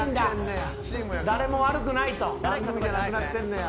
誰も悪くないと。